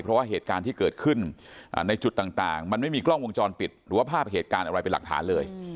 เพราะว่าเหตุการณ์ที่เกิดขึ้นในจุดต่างมันไม่มีกล้องวงจรปิดหรือว่าภาพเหตุการณ์อะไรเป็นหลักฐานเลย